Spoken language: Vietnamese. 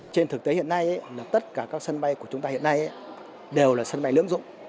trên thực tế hiện nay là tất cả các sân bay của chúng ta hiện nay đều là sân bay lưỡng dụng